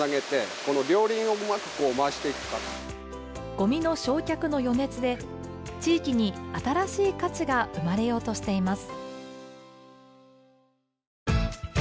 ごみの焼却の余熱で地域に新しい価値が生まれようとしています。